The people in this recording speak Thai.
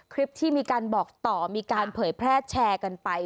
คลิปที่มีการบอกต่อมีการเผยแพร่แชร์กันไป